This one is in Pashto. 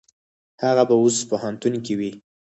هغه به اوس پوهنتون کې وي.